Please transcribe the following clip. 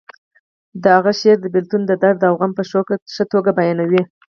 د هغه شعر د بیلتون درد او غم په ښه توګه بیانوي